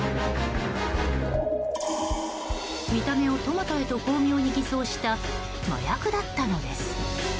見た目をトマトへと巧妙に偽装した麻薬だったのです。